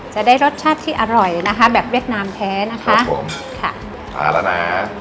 จะได้รสชาติที่อร่อยนะคะแบบเวียดนามแท้นะคะผมค่ะมาแล้วนะ